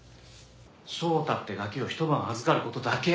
翔太ってガキをひと晩預かる事だけ。